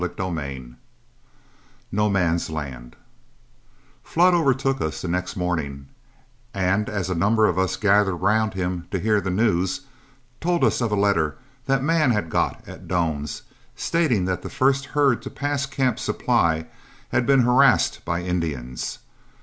CHAPTER X "NO MAN'S LAND" Flood overtook us the next morning, and as a number of us gathered round him to hear the news, told us of a letter that Mann had got at Doan's, stating that the first herd to pass Camp Supply had been harassed by Indians.